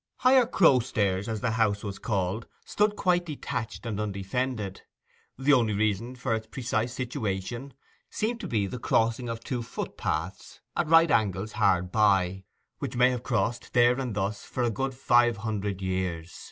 Higher Crowstairs, as the house was called, stood quite detached and undefended. The only reason for its precise situation seemed to be the crossing of two footpaths at right angles hard by, which may have crossed there and thus for a good five hundred years.